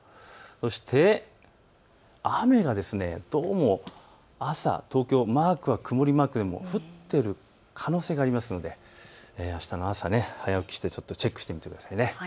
そして雨がどうも朝降っている可能性がありますので、あしたの朝、早起きしてチェックしてみてください。